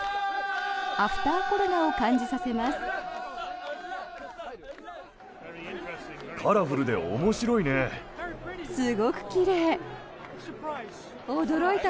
アフターコロナを感じさせます。